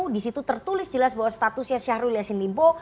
disitu tertulis jelas bahwa statusnya syahrul yassin limpo